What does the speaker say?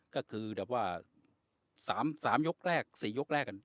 ก็คือแบบว่า๓ยกแรก๔ยกแรกกัน